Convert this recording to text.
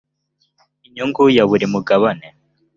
inyungu ya buri mugabane